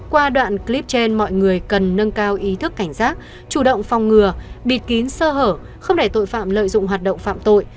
qua đoạn clip trên mọi người cần nâng cao ý thức cảnh giác chủ động phòng ngừa bịt kín sơ hở không để tội phạm lợi dụng hoạt động phạm tội